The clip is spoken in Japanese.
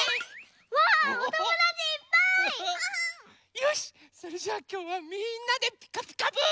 よしそれじゃあきょうはみんなで「ピカピカブ！」。